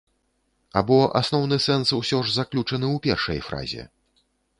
Або асноўны сэнс усё ж заключаны ў першай фразе?